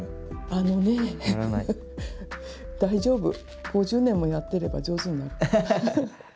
あのね大丈夫５０年もやってれば上手になる。